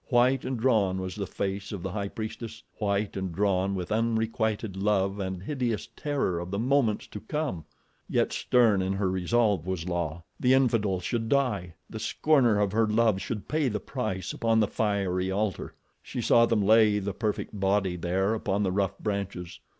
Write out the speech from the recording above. White and drawn was the face of the High Priestess—white and drawn with unrequited love and hideous terror of the moments to come. Yet stern in her resolve was La. The infidel should die! The scorner of her love should pay the price upon the fiery altar. She saw them lay the perfect body there upon the rough branches.